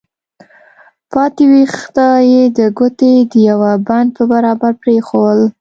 پاتې ويښته يې د ګوتې د يوه بند په برابر پرېښوول.